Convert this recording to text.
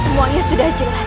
semuanya sudah jelas